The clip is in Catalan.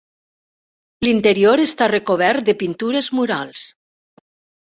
L'interior està recobert de pintures murals.